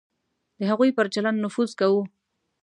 د هغوی پر چلند نفوذ کوو.